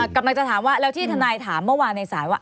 กำลังจะถามว่าแล้วที่ทนายถามเมื่อวานในศาลว่า